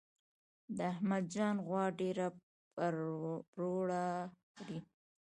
د احمد جان غوا ډیره پروړه خوري.